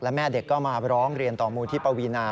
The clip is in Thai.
แม่เด็กก็มาร้องเรียนต่อมูลที่ปวีนา